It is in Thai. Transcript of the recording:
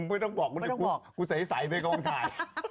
ไม่ต้องบอกุ้ใสในกลองถ่าย